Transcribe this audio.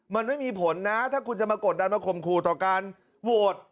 มันไม่มีผลนะถ้าคุณจะมากดดันมาข่มขู่ต่อการโหวต